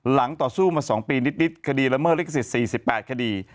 หลังต่อสู้มาสองปีนิดนิดคดีละเมอร์ลิขสิทธิ์๔๘คดี